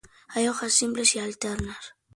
Hojas simples y alternas.